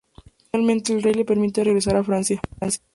Finalmente, el rey le permite regresar a Francia.